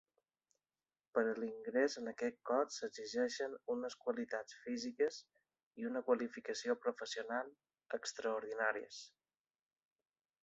Per a l'ingrés en aquest Cos s'exigeixen unes qualitats físiques i una qualificació professional extraordinàries.